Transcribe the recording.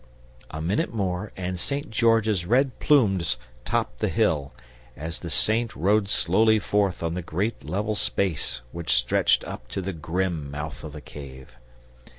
A minute more and St. George's red plumes topped the hill, as the Saint rode slowly forth on the great level space which stretched up to the grim mouth of the cave.